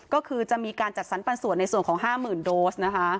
ก็คือจะมีการจัดสรรปันส่วนในส่วนของ๕๐๐๐โดสนะคะ